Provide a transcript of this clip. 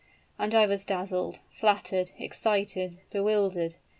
"And I was dazzled flattered excited bewildered.